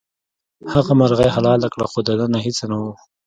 هغه مرغۍ حلاله کړه خو دننه هیڅ نه وو.